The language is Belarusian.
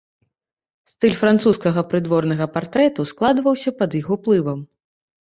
Стыль французскага прыдворнага партрэту складваўся пад іх уплывам.